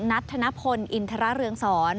นัทธนพลอินทรเรืองศร